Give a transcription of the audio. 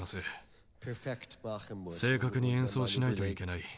正確に演奏しないといけない